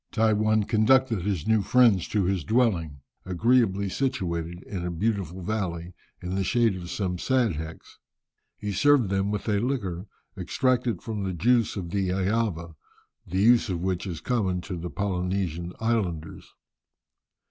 Tai One conducted his new friends to his dwelling, agreeably situated in a beautiful valley, in the shade of some "sadhecks." He served them with a liquor extracted from the juice of the "eava," the use of which is common to the Polynesian islanders.